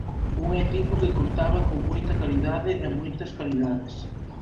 Un equipo que contaba con moita calidade e moitas calidades.